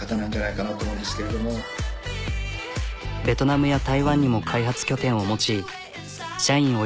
ベトナムや台湾にも開発拠点を持ち社員